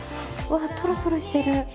わっトロトロしてる。